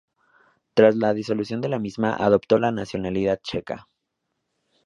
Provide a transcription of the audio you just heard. Tras la disolución de la misma, adoptó la nacionalidad checa.